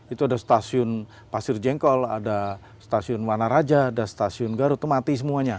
itu ada stasiun pasir jengkol ada stasiun wanaraja ada stasiun garut itu mati semuanya